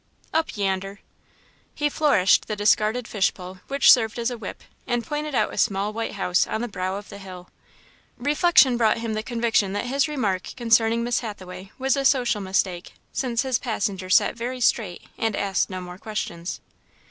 "Up yander." He flourished the discarded fish pole which served as a whip, and pointed out a small white house on the brow of the hill. Reflection brought him the conviction that his remark concerning Miss Hathaway was a social mistake, since his passenger sat very straight, and asked no more questions.